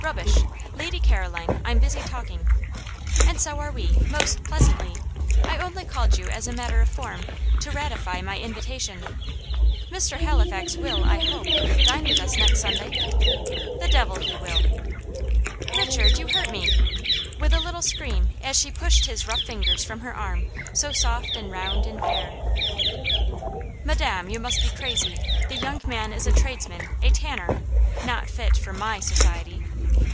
rubbish! Lady Caroline I'm busy talking." "And so are we, most pleasantly. I only called you as a matter of form, to ratify my invitation. Mr. Halifax will, I hope, dine with us next Sunday?" "The devil he will!" "Richard you hurt me!" with a little scream, as she pushed his rough fingers from her arm, so soft, and round, and fair. "Madam, you must be crazy. The young man is a tradesman a tanner. Not fit for MY society."